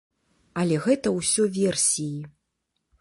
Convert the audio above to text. Але гэта ўсё версіі.